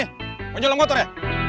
mau jualan motor ya